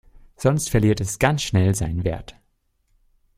Sonst verliert es ganz schnell seinen Wert.